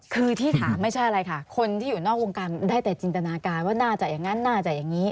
คือที่ถามไม่ใช่อะไรค่ะคนที่อยู่นอกวงการได้แต่จินตนาการว่าน่าจะอย่างนั้นน่าจะอย่างนี้